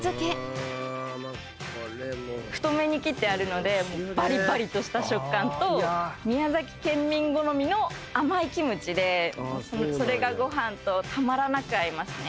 太めに切ってあるのでバリバリとした食感と宮崎県民好みの甘いキムチでそれがご飯とたまらなく合いますね。